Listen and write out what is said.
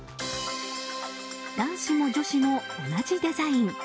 男子も女子も同じデザイン。